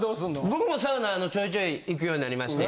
僕もサウナちょいちょい行くようになりまして。